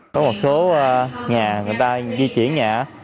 có một số nhà người ta di chuyển nhà